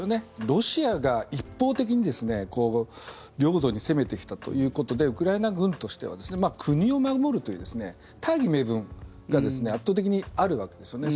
ロシアが一方的に領土に攻めてきたということでウクライナ軍としては国を守るという大義名分が圧倒的にあるわけですね。